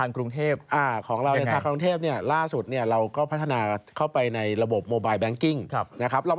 คือมันล้ำสมัยแบบนั้นแหละ